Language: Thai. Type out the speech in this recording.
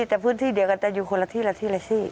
แต่พื้นที่เดียวกันแต่อยู่คนละที่